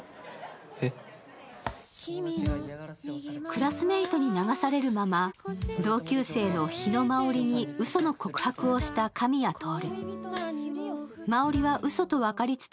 クラスメートに流されるまま同級生の日野真織に嘘の告白をした神谷透。